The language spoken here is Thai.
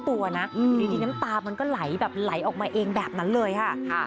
ทีนี้น้ำตามันก็ไหลออกมาเองแบบนั้นเลยค่ะ